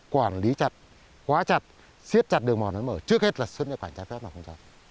quản lý chặt quá chặt xiết chặt đường mòn mới mở trước hết là xuân cho khoản trái phép mà không chặt